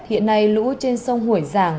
hiện nay lũ trên sông hủy giảng